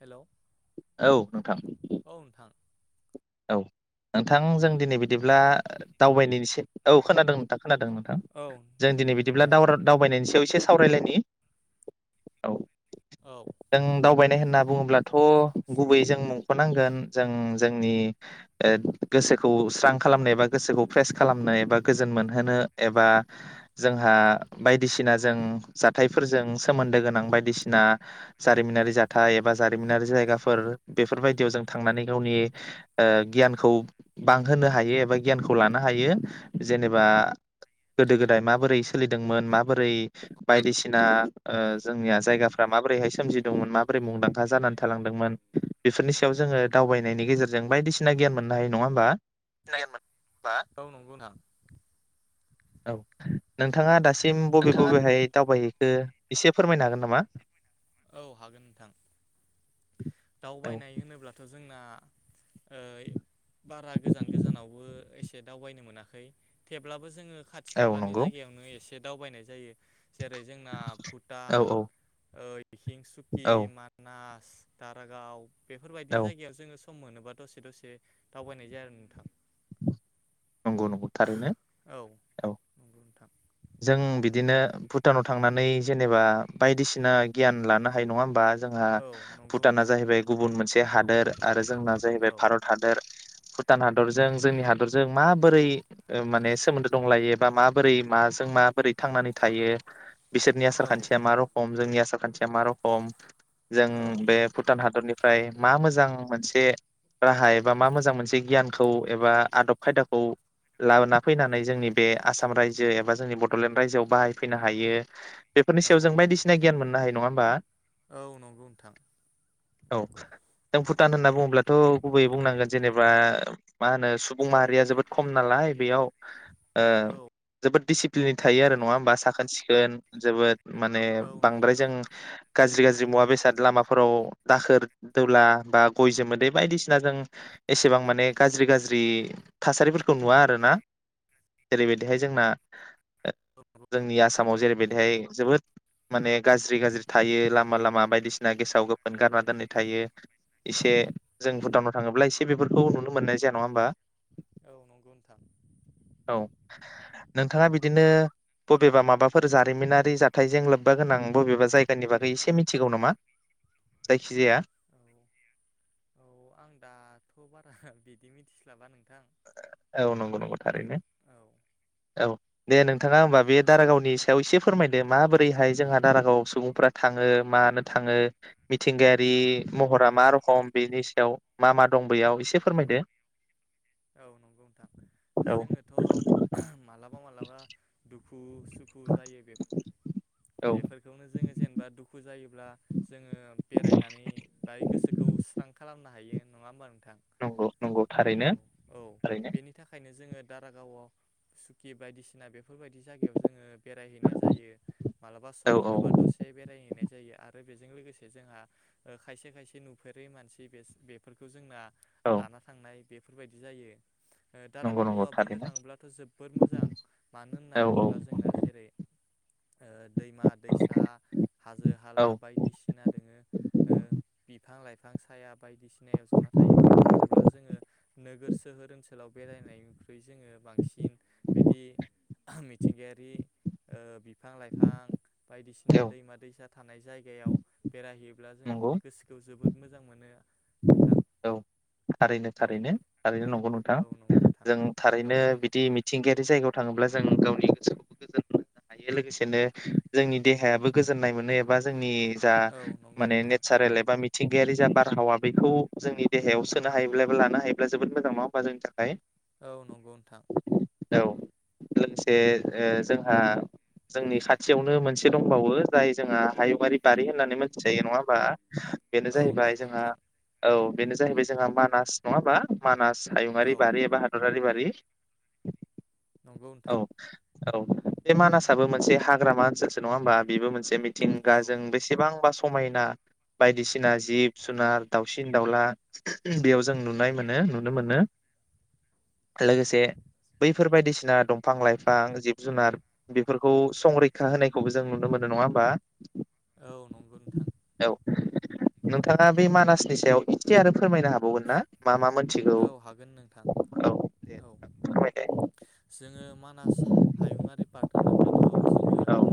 Hello औ नोंथां। औ नोंथां। औ नोंथां जों दिनै बिदिब्ला खोना औ दावबायनायनि एसे औ खोनादों नोंथां। खोनादों नोंथां औ जों नोंथां दिनै बिदिब्ला दे। दावरा दावबायनायनि सायाव इ एसे सावरायलायनि औ। औ जों नंगौ दावबायनाय नोंथां। होनना बुङोब्लाथ गुबैयै जों [unintelligible] जों जोंनि ओ गोसोखौ स्रां खालामनाय एबा गोसोखौ फ्रेस खालामनाय एबा गोजोन मोनहोनो एबा जोंहा बायदिसिना जों जाथायफोरजों सोमोन्दो गोनां बायदिसिना जारिमिनारि जाथाय एबा जारिमिनारि जायगाफोर बेफोरबायदियाव जों थांनानै गावनि ओ गियानखौ बांहोनो हायो एबा गियानखौ लानो हायो जेनेबा गोदो गोदाय माबोरै सोलिदोंमोन माबोरै बायदिसिना ओ जोंनिया जायगाफ्रा माबोरैहाय सोमजिदोंमोन माबोरै मुंदांखा जानानै थालांदोंमोन बेफोरनि सायाव जोङो दावबायनायनि गेजेर जों बायदिसिना गियान मोननो हायो नङा होमबा? औ नंगौ नोंथां। औ नोंथाङा दासिम बबे बबेहाय दावबायहै खो एसे फोरमायनो हागोन नामा? औ हागोन नोंथां औ दावबायनाय होनोब्लाथ जों ना ओइ बारा गोजान गोजानावबो एसे दावबायनो मोनाखै थेब्लाबो जोङो खाथि औ खालानि नंगौ जायगायावनो एसे एसे दावबायनाय जायो। जेरै जोंना औ भुटान। औ बिखिं सुकि औ माना तारागाव बेफोरबायदि औ जायगायाव जोङो सम मोनोबा दसे दसे दावबायनाय जाया आरो नोंथां। नंगौ नंगौ थारैनो औ नंगौ नोंथां। जों बिदिनो भुटानाव थांनानै जेनेबा बायदिसिना गियान लानो हायो नङा होमबा? जोंहा औ नंगौ भुटाना नोंथां जाहैबाय गुबुन मोनसे हादोर आरो जोंना जाहैबाय औ भारत हादोर भुटान हादरजों जों हादर जों माबोरै माने सोमोन्दो दंलायो। बा माबोरै माजों मा। बोरै थांनानै थायो। बिसोरनि आसार खान्थिया मा रोखम जोंनि आ सार खान्थिया मा रखम। जों औ बे भुटान हादरनिफ्राय मा मोजां। मोनसे राहा एबा मा मोजां मोनसे गियानखौ एबा आदब खायदाखौ लबोना फैनानै जोंनि बे आसाम रायजो एबा जोंनि बडलेण्ड रायजोआव बाहायफैनो हायो। बेफोरनि सायाव जों बायदिसिना। गियान मोनो हायो नङा होमबा? औ नंगौ नोंथां औ। टान होनना बुङोब्लाथ गुबै बुंनांगोन जेनेबा मा होनो सुब। बुं माहारिया जोबोद खम नालाय बेयाव। औ जोबोद दिडिसिप्लिनै थायो आरो नङा नंगौ होमबा साखोन सिखो [unintelligible] जोबोद। माने औ बांद्राय नंगौ जों गाज्रि गाज्रि मुवा बेसाद लामाफोराव दाखोर दौला बा गय जोमोदै बायदिसिना जों एसेबां माने गाज्रि गाज्रि थासारिफोरखौ नुवा आरोना जेरैबायदिहाय जोंना जोंनि आसामाव जेरैबायद बेहाय जोबोद माने गाज्रि गाज्रि थायो लामा लामा बायदिसिना गेसाव गोफोन गारना दोननाय थायो एसे जों भुटानाव थाङोब्ला एसे बेफोरखौ नुनो मोननाय जाया नङा होमबा। औ नंगौ नोंथां औ नोंथाङा बिदिनो। बबेबा माबाफोर जारिमिनारि जाथायजों लोब्बा गोनां बबेबा जायगानि बागै एसे मिथिगौ नामा जायखिजाया। औ औ आं दाथ बारा बिदि मिथिस्लाबा नों। औ नंगौ नंगौ थारैनो औ औ दे नोंथाङा होमबा बे। दारागावनि सायाव एसे फोरमायदो माबोरैहाय जोंहा दारागाव सुबुंफ्रा थाङो? मानो थाङो? मिथिंगायारि नोंथां महरा मा रखम बेनि याव मा मा दं बैयाव एसे फोरमायदो। औ नंगौ नोंथां औ जोङोथ' मालाबा मालाबा दु खु सुखु जायो औ बेफोर-बेफोरखौनो जोङो जेनेबा दुखु जायो ब्ला जोङो बेरायनानै बाय गोसोखौ स्रां खालामनो हायो नङा होमबा नों नंगौ नंगौ थारैनो औ थारैनो बेनि थाखायनो जोंङो दारागावयाव सुखि बायदिसिना बे बेफोरबायदि जायगायाव जोङो बेरायहैनाय जायो मालाबा औ सम मोनोबा औ दसे बेरायहैनाय जायो आरो बेजों लोगोसे जोंहा खायसे खायसे नुफेरै मानसि बेसो बेफोरखौ जोंना औ लाना थांनाय बेफोरबायदि बिदि जायो। नंगौ नंगौ दारागावया बुंनो थारैनो थाङोब्लाथ' जोबोद मोजां मानो औ होनना बुङोब्ला जोंना जेरै ओ दैमा दैसा हाजो औ हाला बायदिसिना दोङो ओ बि बिफां लाइफां साया बायदिसिनाव जना थायो बुंनो थाङोब्ला जोङो नोगोर सोहोर ओनसोलाव बेरायनाय बे जोङो बांसिन बिदि मिथिंगायारि ओ बिफां लाइफां बायदिसिना औ दैमा दैसा थानाय जायगायाव बेरायहैयोब्ला जों नंगौ गोसोखौ जोबोद मोजां मोनो नोंथां औ थारैनो औ थारैनो थारैनो नंगौ नोंथां औ नंगौ नोंथां जों औ थारैनो बिदि मिथिंगायारि जायगा थाङोब्ला जों गावनि गोसोखौबो गोजोनो हायो लोगोसेनो जोंनि देहायाबो गोजोन्नाय मोनो एबा जोंनि जा औ नंगौ माने नोंथां नेचारेल एबा‌ मि थिंगायारि जा बारहावा बेखौ जोंनि देहायाव सोनो हायोब्ला बा लानो हायोब्ला जोबोद मोजां नङाोमबा जोंनि थाखाय? औ नंगौ नोंथां। औ लोगोसे ओ जोंहा जोंनि खाथियावनो मोनसे दंबावो जाय जोंहा हायुंयारि बारि होननानै मोनथिखायो नङा होमबा? बेनो औ जाहैबाय नंगौ जोंहा नोंथां औ बेनो जाहैबाय जोंहा मानास नङा होमा मानास औ हायुंयारि बारि एबा हादरारि बा रि। नंगौ नोंथां। औ बे मानासाबो मोनसे हाग्रामा ओनसोलसो नङा होमबा बेबो मोनस बे औ मिथिंगाजों बेसेबांबा समायना बायदिसिना जिब जुनार दाउ सिन दाउला बेयाव जों नुनाय मोनो नुनो मोनो लोगोसे बैफोर बायदिसिना दंफां लाइफां जिब जुनार बेफोरखौ संरैखा होनायखौबो जों नुनो मोनो नङा होमबा। औ नंगौ नोंथां औ। नोंथाङा बे मानास नि सायाव एसे आरो फोरमायनो हाबावगोन ना? मा मा मोनथिगौ औ हागोन नोंथां औ दे औ फोरमायदो जोङो मा मानास हायुङारि पार्क होनोब्लाथ' जोङो। औ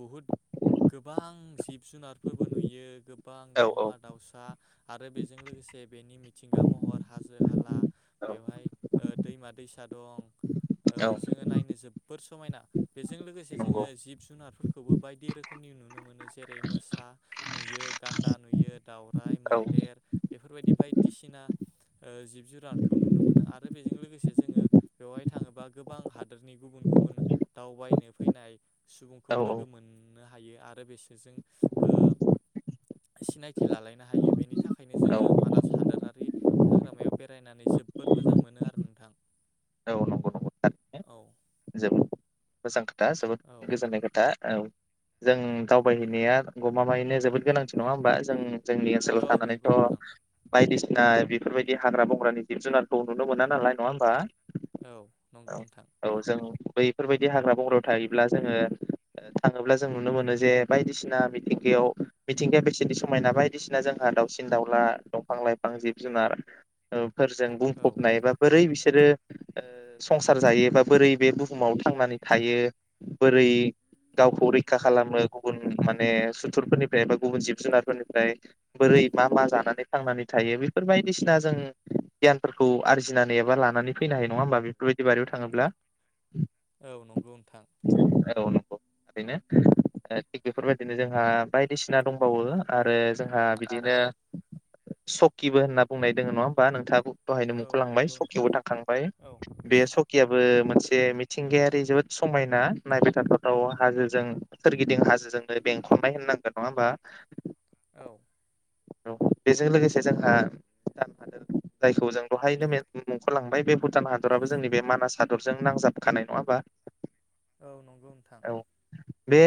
बहुत [inaudible] गोबां जिब जुनारफोरबो नुयो गोबां दावमा औ दाउसा आरो बेजों लोगोसे बेनि मि थिंगा महर हाजो हाला। औ बेवहाय ओ दैमा दैसा दं। ओ औ जोङो नायनो जोब फोर समायना बेजों लोगोसे जोङो नंगौ जिब जुनार फोरखौबो बायदि रोखोमनि नुनो मोनो जेरै मोसा नुयो गान्दा नुयो दउराइ औ मैदेर बेफोरबायदि बाय दिसिना ओ जिब जुनारखौ नुनो मोनो आरो बेजों लोगोसे जोङो बेवहाय थाङोबा गोबां हादोरनि गुबुन गुबुन दावबायनो फैनाय सुबुंखौ औ लोगो मोन नो हायो आरो बिसोरजों ओ सिनायथि लालायनो हायो बेनि थाखायनो जोङो नंगौ मानास हादोद नि हाग्रामायाव बेरायनानै जोबबोद मोजां मोनो आरो नोंथां। औ नंगौ नंगौ नोंथां। औ जोबोद मोजां‌ था दा औ जोबोद गोजोननाय खोथा औ। जों दावबायहैनाया गमामायैनो जोबोद गोनांथि नङा होमबा जों जोंनि औ ओनसोलाव नंगौ थानानैथ' नोंथां बायदिस ना बेफोरबायदि हाग्रा बंग्रानि जिब जुनारखौ नुनो मोना नालाय नङा होमबा? औ नंगौ नोंथां। औ जों बैफोरबायदि हाग्रा बंग्रायाव थायोब्ला जोङो थाङोब्ला जों नुनो मोनो जे बायदिसिना मिथिंगायाव मिथिंगाया बेसेदि समायना बायदिसिना जोंहा दावसिन दाउला दंफां लाइफां जिब जुनार ओ फोरजों औ बुंफबनाय बा बोरै बिसोर बिसोरो ओ संसार जायोबा बोरै बे बुहुमाव थांनानै थायो बोरै गावखौ रैखा खालामो गुबुन माने सुथुरफोरनिफ्राय एबा गुबुन जिब जुनारफोरनिफ्राय बोरै मा मा जानानै थांनानै थायो बेफोर बायदिसिना जों गियानफोरखौ आरजिनानै एबा लानानै फैनो हायो नङा होमबा बेफोरबायदि बारियाव थाङोब्ला। औ नंगौ नोंथां। बेनिखायनो थिग बेफोरबायदिनो जोंहा बायदिसिना दंबावो आरो जोंहा बिदिनो आरो सकिबो होनना बुंनाय दोङो नङा होमबा नोंथाङाबो दहायनो औ मुंख लांबाय नंगौ नोंथां सकियावबो थांखांबाय औ बे सकियाबो। मोनसे मिथिंगायारि जोबोद समायना नायबाय थाथावथाव हाजोजों सोरगिदिं हाजोजोंनो बेंखननाय होननांगोन नङा होमबा। औ। औ बेजों लोगोसे जोंहा भुटान हादोर जायखौ जों दहायनो मुंख लांबाय बे भुटान हादराबो जोंनि बे मानास हादरजों नांजाबखानाय नङा होमबा। औ नंगौ नोंथां। औ बे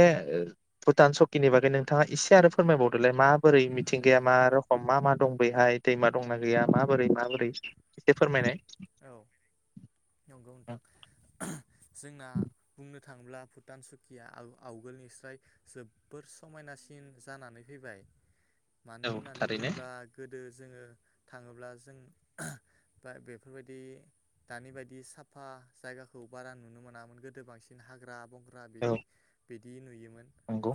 भुटान सकिनि बागै नोंथाङा इसे आरो फोरमायबावदोलाय माबोरै मिथ थिंगाया मा रखम मा मा दं बैहाय दैमा दंना गैया माबोरै माबोरै एसे फोरमायनाय औ नोंगौ नोंथां। जोंना बुंनो थांब्ला भुटान सुकिया आव-आवगोलनिस्राय जोबबोर समायनासिन जानानै फैबाय। मानो औ होननानै थारैनो बुङोब्ला गोद गोदो जोङो थाङोब्ला जों फा बे बेफोरबायदि दानि बायदि साफा जायगाखौ बारा नुनो मोनामोन गोदो बांसिन हाग्रा बं फ्रा औ बिदि बिदि नुयोमोन नंगौ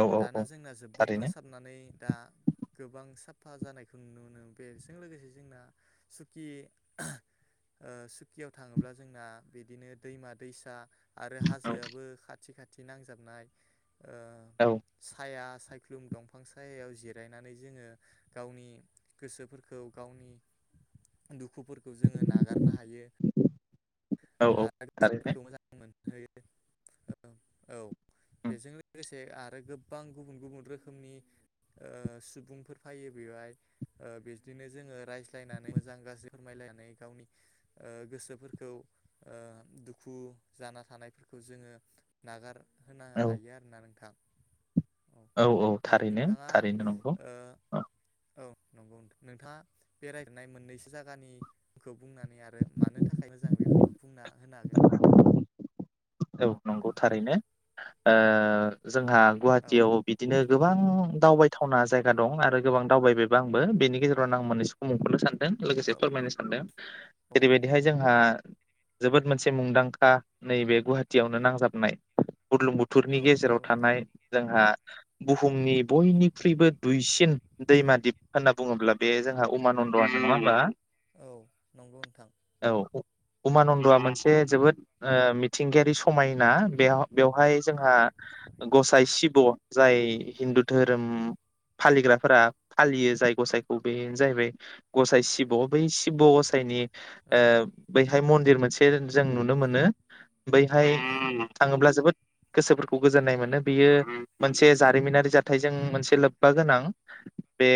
औ औ दाना औ जोंना जोबबोद थारैनो फोसाबनानै दा गोबां साफ साफा जानायखौ नुनो मोनो बेजों लोगोसे जोंना सुकि सुकियाव थाङोब्ला जोंना बिदिनो दैमा दैसा आरो हाजोआबो खाथि खाथ थि नांजाबनाय ओ औ साया सा सायख्लुम दंफां सायायाव जिरायनानै जोङो गावनि गोसोफोरखौ गावनि दुखु दुखुफोरखौ जोङो नागारनो हायो। औ आरो थारैनो गोसोफोरखौ मोजांमोनो। है औ औ। बेजों लोगोसे आरो गोबां गुबुन गुबुन रोखोमनि सुबुंफोर फायो बेवहाय बिदिनो जोङो रायज्लायनानै मोजां गाज्रि फोरमायलायनानै गावनि ओ गोसोफोरखौ दुखु जाना थानायफोरखौ जोङो नागार होनो औ हायो आरोना नोंथां औ औ थारैनो थारैनो नंगौ। ओ औ नंगौ। नोंथाङा बेरायजेरनाय मोन्नैसो जा बागानिखौ बुंनानै आरो मानो थाखाय मोजां बेफोरखौ बुंना होनो हागोन। औ नामा नंगौ नोंथाङा थारैनो। जोंहा औ गुहाटियाव बिदिनो गोबां दावबायथावना जायगा दं आरो गोबां दावबायबो आंबो बेनि गेजेरावनो आं मोन्नैसोखौ मुंख'नो सान लोगोसे औ फोरमायनो सान्दों। औ जेरैबायदिहाय जोंहा जोबोद मोनसे मुंदांखा नैबे गुहा खुथियावनो नांजाबनाय बुर्लुंबुथुरनि औ गेजेराव नंगौ नोंथां थानाय जोंहा बुहुमनि बयनिख्रुइबो दुइसिन दैमा दिप होन्ना बुङोब्ला बे जोंहा उमानन्द'आनो नङा होमब्ला? औ नंगौ नोंथां। उमानन्द'आ मोनसे जोबोद ओ मिथिंगायारि स समायना बेव-बेवहाय जोंहा गसाइ शिब जाय हिन्दु धोरोम फालिग्राफोरा फालियो जाय गसाइखौ बेनो जाहैबाय गसाइ शिब। शिब गसाइनि औ ओ बै मन्दिर मोनसे जों नुनो मोनो बै हाय औ थाङोब्ला जोबोद गोसोफोरखौ गोजोन्नाय मोनो बेयो मोनसे जारिमिनारि जाथायजों मोनसे लोब्बा गोनां। बे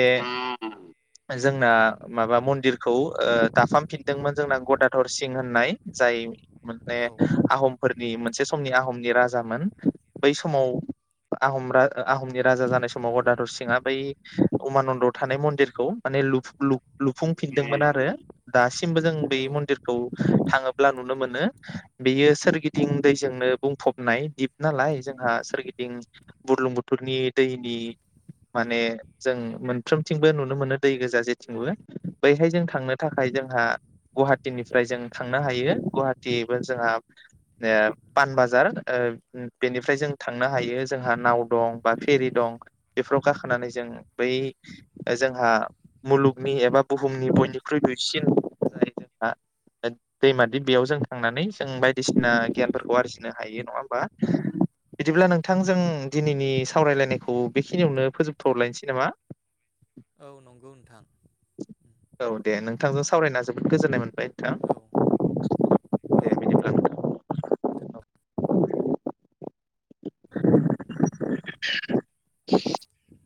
जोंना माबा मन्दिरखौ ओ दाफामफिन्दोंमोन जोंना गदाधरसिं होन्नाय। जाय माने औ आहम फोरनि मोनसे समनि आहमनि राजामोन। बै समाव आहम रा आहमनि राजा जानाय समाव गदधरसिंआ बै उमानन्द'आव थानाय मन्दिरखौ माने लु-लु-लुफुंफिन्दोंमोन आरो दासि मबो जों बै औ मन्दिरखौ थाङोब्ला नुनो मोनो बेयो सोरगि दिं दैजोंनो बुंफबनाय दिप नालाय जोंहा सोरगिदिं बुर्लुंबुथुरनि दैनि माने जों मोनफ्रोमथिंबो नुनो मोनो दै गोजा जेथिंबो। बैहाय जों थांनो थाखाय जोंहा गुहाटिनिफ्राय जों थांनो हायो गुहाटिबो जोंहा पान बाजार ओ बेनिफ्राय जों थांनो हायो जोंहा नाव दं बा फेरि दं बेफोराव गाखोनानै जों बै जोंहा मुलुगनि एबा बुहुमनि बयनिख्रुइ दुइसिन [unintelligible] दैमा दिप बेयाव जों थांनानै जों बायदिसिना गियानफोरखौ आरजिनो हायो नङा होमबा। बिदिब्ला नोंथांजों दिनैनि सावरायलायनायखौ बेखिनियावनो फोजोबथलायनोसै नामा? औ नंगौ नोंथां। औ दे नोंथांजों सावरायना जोबोद गोजोन्नाय मोनबाय। नोंथां औ औ। दे बिदिब्ला नोंथां [inaudible]